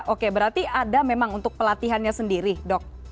oke berarti ada memang untuk pelatihannya sendiri dok